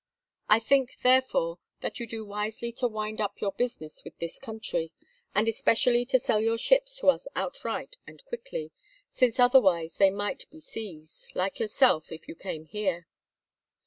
I think, therefore, that you do wisely to wind up your business with this country, and especially to sell your ships to us outright and quickly, since otherwise they might be seized—like yourself, if you came here.